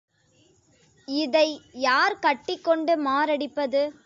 இதை யார் கட்டிக்கொண்டு மாரடிப்பது?